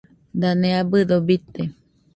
Dane abɨdo bite